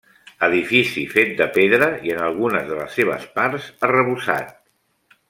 Edifici fet de pedra i en algunes de les seves parts, arrebossat.